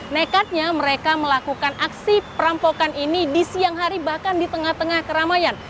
nekatnya mereka melakukan aksi perampokan ini di siang hari bahkan di tengah tengah keramaian